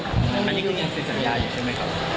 อันนี้คุณยังใช้สัญญาอยู่ใช่ไหมครับ